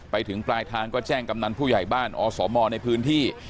ไปถึงปลายทางก็แจ้งกำนันผู้ใหญ่บ้านอสมในพื้นที่